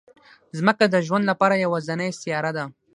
ځمکه د ژوند لپاره یوازینی سیاره ده